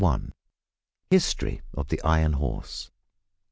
HISTORY OF THE IRON HORSE.